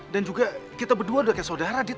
dan juga kita berdua udah kaya saudara dit